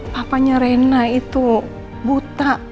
papanya rena itu buta